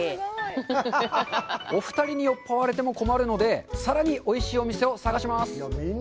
お二人に酔っ払われても困るのでさらにおいしいお店を探します！